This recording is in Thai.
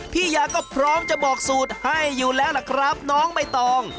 พี่ยาก็พร้อมจะบอกสูตรให้อยู่แล้วล่ะครับน้องใบตอง